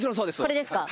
これですか。